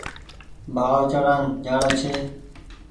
ڀآو چڙآن جآڻو ڇي